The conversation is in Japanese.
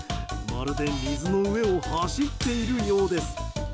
まるで水の上を走っているようです。